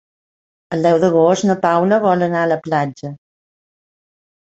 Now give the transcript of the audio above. El deu d'agost na Paula vol anar a la platja.